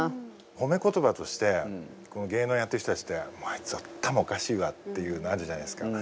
褒め言葉として芸能やってる人たちってあいつは頭おかしいわっていうのあるじゃないですか。